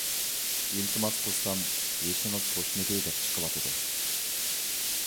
ئىلتىماس قىلسام «يېشىڭىز توشمىدى» دەپ چىقىۋاتىدۇ.